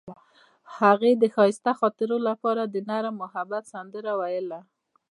هغې د ښایسته خاطرو لپاره د نرم محبت سندره ویله.